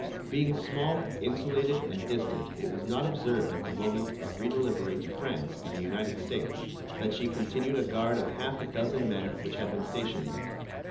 Being small, insulated, and distant, it was not observed at the moment of redelivery to France and the United States that she continued a guard of half a dozen men which had been stationed there.